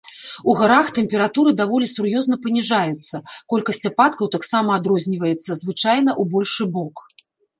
У гарах тэмпературы даволі сур'ёзна паніжаюцца, колькасць ападкаў таксама адрозніваецца, звычайна ў большы бок.